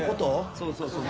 そうそうそう。